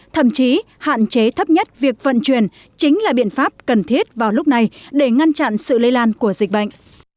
thậm chí hạn chế thấp nhất việc vận chuyển chính là biện pháp cần thiết vào lúc này để ngăn chặn sự lây lan của dịch bệnh